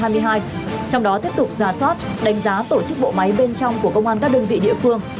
trong đó tiếp tục ra soát đánh giá tổ chức bộ máy bên trong của công an các đơn vị địa phương